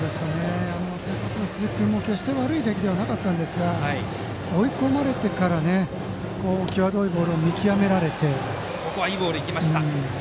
先発の鈴木君も決して悪い出来ではなかったですが追い込まれてから際どいボールを見極められてね。